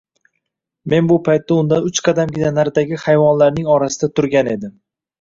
Men bu paytda undan uch qadamgina naridagi hayvonlarning orasida turgan edim